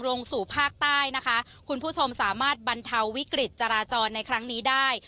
ลงสู่ภาคใต้นะคะคุณผู้ชมสามารถบรรเทาวิกฤตจราจรในครั้งนี้ได้